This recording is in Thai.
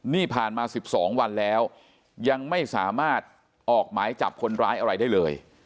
นี่ผ่านมา๑๒วันแล้วยังไม่สามารถออกหมายจับคนร้ายอะไรได้เลย